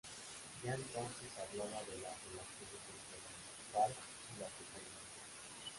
Ya entonces hablaba de las relaciones entre las Farc y la cocaína.